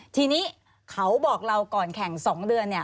ทีนี้เขาบอกเราก่อนแข่ง๒เดือน